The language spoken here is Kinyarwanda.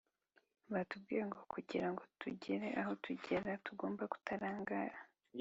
batubwiye ngo kugirango tugire aho tugera tugomba kutarangara